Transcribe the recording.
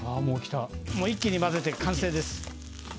もう一気に混ぜて完成です。